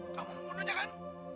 kamu bunuhnya kan